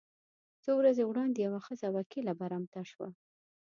څو ورځې وړاندې یوه ښځه وکیله برمته شوه.